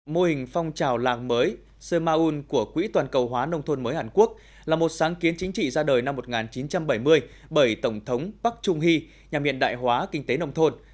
mô hình phong trào làng mới semaul của quỹ toàn cầu hóa nông thôn mới hàn quốc là một sáng kiến chính trị ra đời năm một nghìn chín trăm bảy mươi bởi tổng thống bắc trung hy nhà miệng đại hóa kinh tế nông thôn